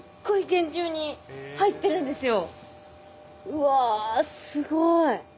うわすごい。